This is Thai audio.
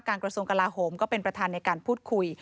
กระทรวงกลาโหมก็เป็นประธานในการพูดคุย